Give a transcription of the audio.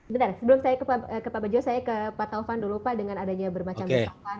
bentar sebelum saya ke pak bajo saya ke pak taufan dulu pak dengan adanya bermacam